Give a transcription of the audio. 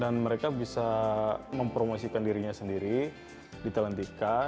dan mereka bisa mempromosikan dirinya sendiri di talentika